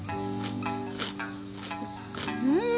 うん！